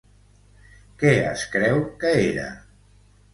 Què es creu que era?